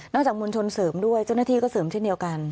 จากมวลชนเสริมด้วยเจ้าหน้าที่ก็เสริมเช่นเดียวกัน